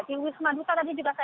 di wisma duta tadi juga saya